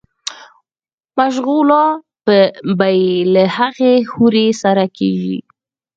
مشغولا به ئې له هغې حورې سره کيږي